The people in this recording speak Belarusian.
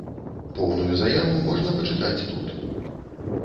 Поўную заяву можна пачытаць тут.